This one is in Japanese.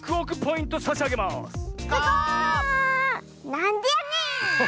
なんでやねん！